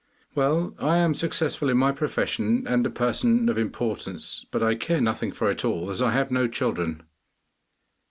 'Well, I am successful in my profession and a person of importance, but I care nothing for it all, as I have no children.